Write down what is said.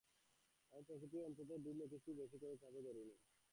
আমার প্রকৃতি অত্যন্ত ঢিলে, কিছুই বেশি করে চেপে ধরি নে।